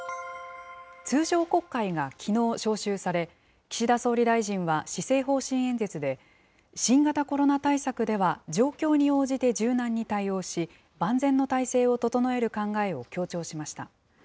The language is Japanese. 通常国会がきのう召集され、岸田総理大臣は施政方針演説で、新型コロナ対策では、状況に応じて柔軟に対応し、万全の態勢を整える考えを強調しました。